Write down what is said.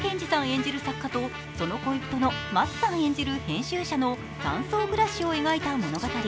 演じる作家とその恋人の松さん演じる編集者の山荘暮らしを描いた物語。